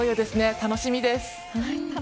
楽しみです。